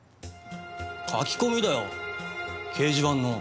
書き込みだよ掲示板の。